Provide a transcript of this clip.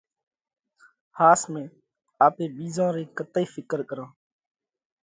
ۿاس ۾ آپي ٻِيزون رئِي ڪتئِي ڦِڪر ڪرونه؟